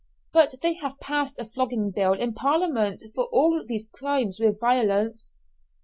"But they have passed a flogging bill in Parliament for all these crimes with violence."